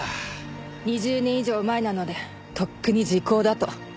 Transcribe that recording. ２０年以上前なのでとっくに時効だと。